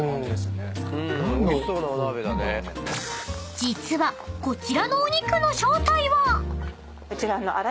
［実はこちらのお肉の正体は］